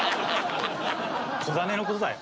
子種のことだよ